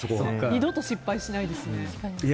二度と失敗しないですね。